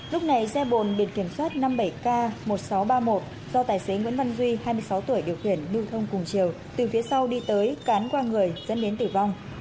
lúc này xe bồn biển kiểm soát năm mươi bảy k một nghìn sáu trăm ba mươi một do tài xế nguyễn văn duy hai mươi sáu tuổi điều khiển lưu thông cùng chiều từ phía sau đi tới cán qua người dẫn đến tử vong